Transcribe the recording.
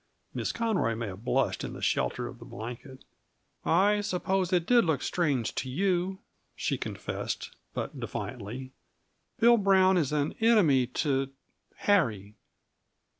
Miss Conroy may have blushed, in the shelter of the blanket. "I suppose it did look strange to you," she confessed, but defiantly. "Bill Brown is an enemy to Harry.